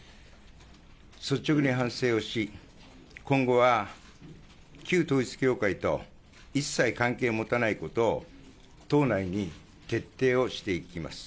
率直に反省をし、今後は旧統一教会と一切関係を持たないことを、党内に徹底をしていきます。